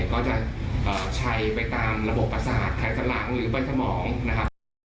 ก็จะใช้ไปตามระบบประสาทแขนสันหลังหรือใบสมองนะครับ